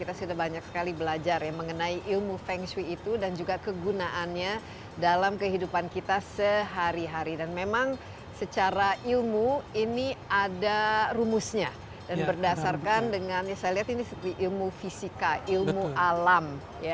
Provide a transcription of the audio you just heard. ada rumusnya dan berdasarkan dengan saya lihat ini seperti ilmu fisika ilmu alam